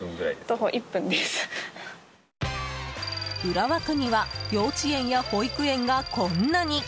浦和区には幼稚園や保育園が、こんなに！